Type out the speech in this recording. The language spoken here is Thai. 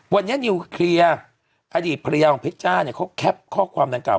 วันนี้นิวเคลียร์อดีตภรรยาของเพชจ้าเนี่ยเขาแคปข้อความดังกล่า